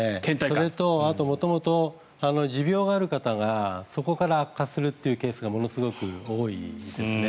それとあと元々持病がある方がそこから悪化するケースがものすごく多いですね。